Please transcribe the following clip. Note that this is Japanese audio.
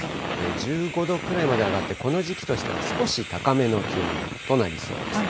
１５度くらいまで上がって、この時期としては少し高めの気温となりそうです。